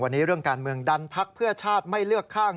วันนี้เรื่องการเมืองดันพักเพื่อชาติไม่เลือกข้าง